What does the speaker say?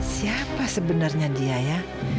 siapa sebenarnya dia